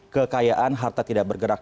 kekayaan harta tidak bergerak